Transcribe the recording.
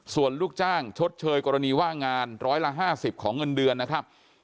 ส่วนลูกจ้างชดเชยกรณีว่างงานร้อยละ๕๐ของเงินเดือนนะครับ